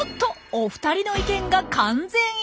お二人の意見が完全一致。